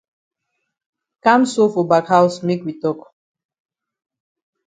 Kam so for back haus make we tok.